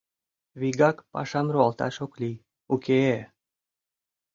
Вигак пашам руалташ ок лий, уке-э!